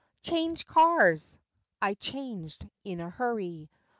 "Change cars!" I changed—in a hurry.